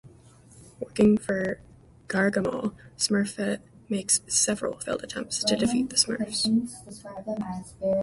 Working for Gargamel, Smurfette makes several failed attempts to defeat the Smurfs.